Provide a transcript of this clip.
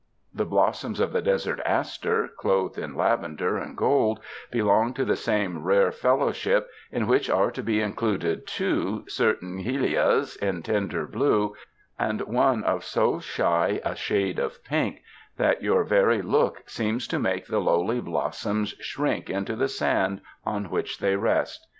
The blossoms of the desert aster, clothed in lavender and gold, belong to the same rare fellowship, in which are to be included, too, certain gilias in tender blue, and one of so shy a shade of pink that your very look seems to make the lowly blossoms shrink into the sand on which they rest.